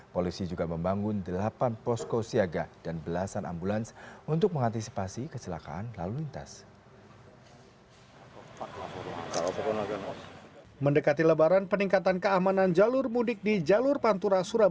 polisi juga membangun delapan posko siaga dan belasan ambulans untuk mengantisipasi kecelakaan lalu lintas